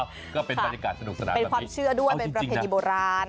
อ้าวก็เป็นบรรยากาศสนุกสนานแบบนี้เป็นความเชื่อด้วยด้วยเป็นพระเภทกิจโบราณ